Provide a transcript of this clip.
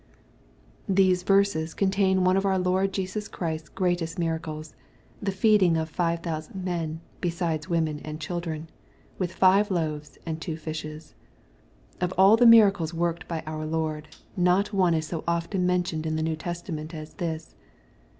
These verses contain one of our Lord Jesus Christ's greatest miracles^ the feeding of ^^ five thousand men, beside women and children," with five loaves and two fishes. Of all the miracles worked by our Lord, not one is so often mentioned in the New Testament as this.